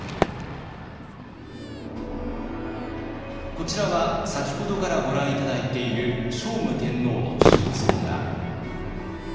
こちらは先ほどからご覧頂いている聖武天皇の肖像画。